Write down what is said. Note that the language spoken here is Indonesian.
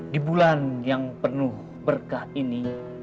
di bulan yang penuh berkah ini